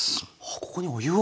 ここにお湯を？